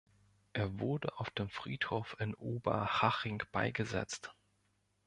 Er wurde auf dem Friedhof in Oberhaching beigesetzt.